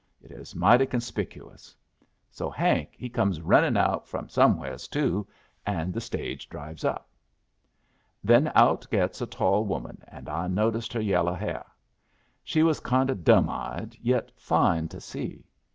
It is mighty conspicuous. So Hank he come rennin' out from somewheres too, and the stage drives up. "Then out gets a tall woman, and I noticed her yello' hair. She was kind o' dumb eyed, yet fine to see.